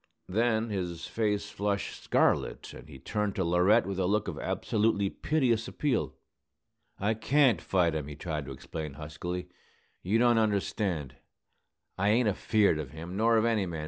Then his face flushed scarlet, and he turned to Laurette with a look of absolutely piteous appeal. "I can't fight him," he tried to explain, huskily. "You don't understand. I ain't afeard of him, nor of any man.